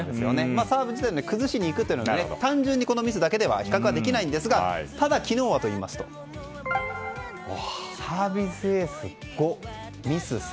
サーブ自体で崩しにいくのが単純にミスだけでは比較はできないんですがただ、昨日はといいますとサービスエース５、ミス３。